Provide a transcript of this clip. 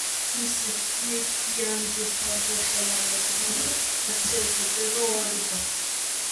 მისი თქმით იანგის თავზეხელაღებული საქციელი საჭირო არ იყო.